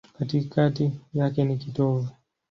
Katikati yake ni kitovu.